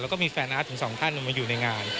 แล้วก็มีแฟนอาร์ตถึงสองท่านมาอยู่ในงาน